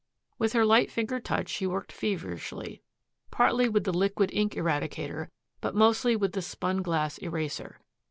With her light fingered touch she worked feverishly, partly with the liquid ink eradicator, but mostly with the spun glass eraser.